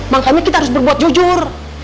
makanya kita harus berbuat jujur